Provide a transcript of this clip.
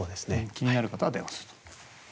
気になる方は電話すると。